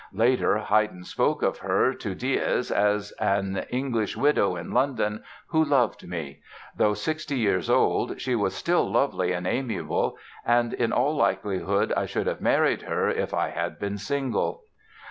Later, Haydn spoke of her to Dies, as "an English widow in London who loved me. Though 60 years old, she was still lovely and amiable, and in all likelihood I should have married her if I had been single."